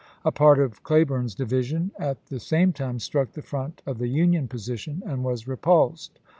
A part of Cleburne's division at the same time struck the front of the Union po sition, and was repulsed.